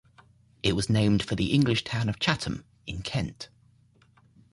It was named for the English town of Chatham, in Kent.